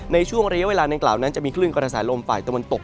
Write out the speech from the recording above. ในช่วงระยะเวลาดังกล่าวนั้นจะมีคลื่นกระแสลมฝ่ายตะวันตก